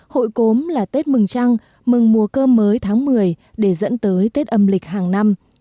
hội cốm là tết mừng trăng mừng mùa cơm mới tháng một mươi để dẫn tới tết âm lịch hàng năm